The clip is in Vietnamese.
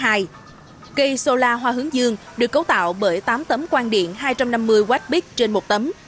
cây solar hoa hướng dương được cấu tạo bởi tám tấm quan điện hai trăm năm mươi watt bit trên một tấm